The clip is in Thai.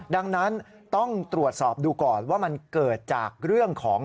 ดังนั้นต้องตรวจสอบดูก่อนว่ามันเกิดจากเรื่องของ